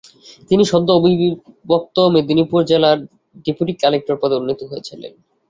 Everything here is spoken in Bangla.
তিনি সদ্য অবিভক্ত মেদিনীপুর জেলার ডেপুটি কালেক্টর পদে উন্নীত হয়েছিলেন।